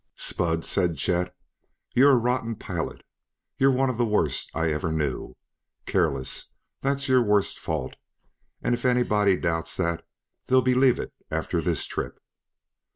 "Spud," said Chet, "you're a rotten pilot; you're one of the worst I ever knew. Careless that's your worst fault and if anybody doubts that they'll believe it after this trip.